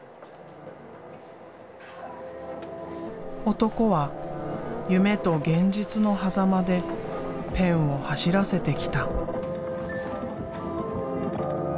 男は夢と現実のはざまでペンを走らせてきた。